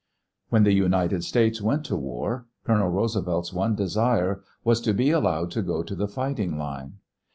When the United States went to war Colonel Roosevelt's one desire was to be allowed to go to the fighting line.